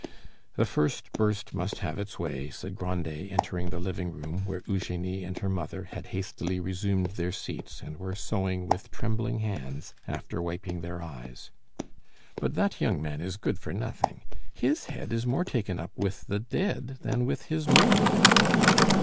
"The first burst must have its way," said Grandet, entering the living room, where Eugenie and her mother had hastily resumed their seats and were sewing with trembling hands, after wiping their eyes. "But that young man is good for nothing; his head is more taken up with the dead than with his money."